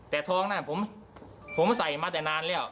แต่ทองนั้นผมใส่มาแต่นานแล้ว